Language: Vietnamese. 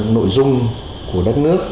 nội dung của đất nước